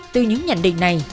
từ những nhận định này